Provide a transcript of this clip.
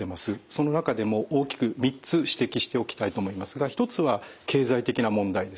その中でも大きく３つ指摘しておきたいと思いますが一つは経済的な問題ですね。